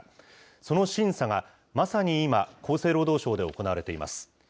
その審査がまさに今、厚生労働省で行われています。